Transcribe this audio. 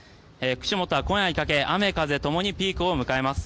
串本は今夜にかけ雨風共にピークを迎えます。